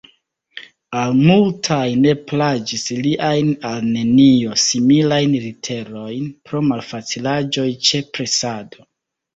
Al multaj ne plaĝis liajn al nenio similajn literojn pro malfacilaĵoj ĉe presado.